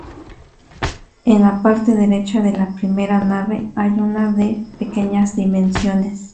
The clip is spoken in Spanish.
En la parte derecha de la primera nave hay una de pequeñas dimensiones.